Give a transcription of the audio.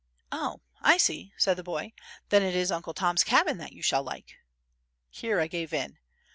"Oh, I see," said the boy; "then it is Uncle Tom's Cabin that you shall like?" Here I gave in.